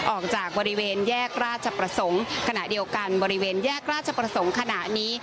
ออกจากบริเวณแยกราชประสงค์ขณะเดียวกันบริเวณแยกราชประสงค์ขณะนี้